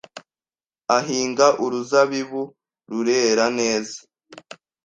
ahinga uruzabibu rurera neza